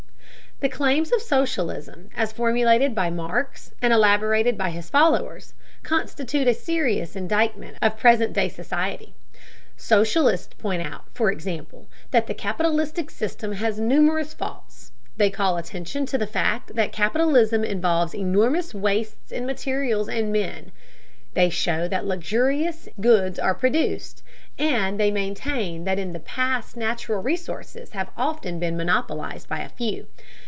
The claims of socialism, as formulated by Marx and elaborated by his followers, constitute a serious indictment of present day society. Socialists point out, for example, that the capitalistic system has numerous faults. They call attention to the fact that capitalism involves enormous wastes in materials and men; they show that luxurious and injurious goods are produced; and they maintain that in the past natural resources have often been monopolized by a few.